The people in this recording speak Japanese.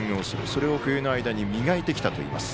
それを冬の間に磨いてきたといいます。